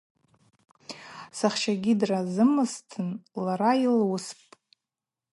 Сахщагьи дразымызтын лара йылуыспӏ.